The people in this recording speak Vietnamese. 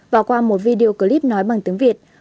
vào qua một video clip nói bằng tiếng việt